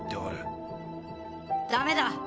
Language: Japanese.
「ダメだ！